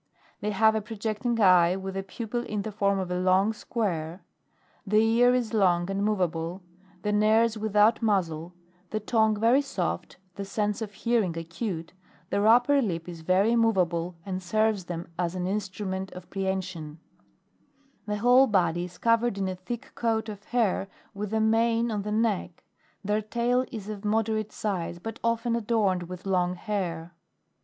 They have a projecting eye with a pupil in the form of a long square, the ear is long and moveable, the nares without muzzle, the tongue very soft, the sense of hearing acute ; their upper lip is very moveable and serves them as an instrument of prehension ; the whole body is covered in a thick coat of hair, with a mane on the neck ; their tail is of moderate size but often adorned with long hair.